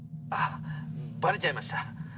あバレちゃいました？